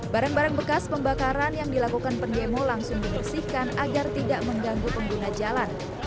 barang barang bekas pembakaran yang dilakukan pendemo langsung dibersihkan agar tidak mengganggu pengguna jalan